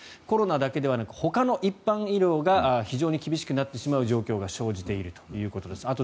コロナだけではなくほかの一般医療が非常に厳しくなってしまう状況が生じているということです。